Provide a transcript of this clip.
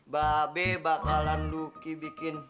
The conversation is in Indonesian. ba be bakalan luki bikin